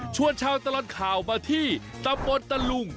ชาวตลอดข่าวมาที่ตำบลตะลุง